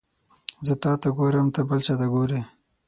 زه تاته ګورم ته بل چاته ګوري